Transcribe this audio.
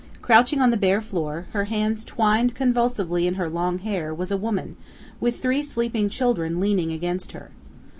Crouching on the bare floor, her hands twined convulsively in her long hair, was a woman, with three sleeping children leaning against her.